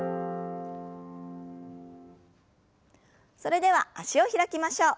それでは脚を開きましょう。